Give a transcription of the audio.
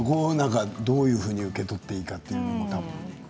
どういうふうに受け取っていいかということを。